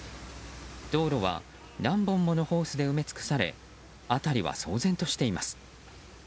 道路は何本ものホースで埋め尽くされ辺りは騒然としています。